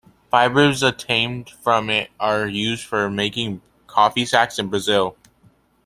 Fibres obtained from it are used for making coffee sacks in Brazil.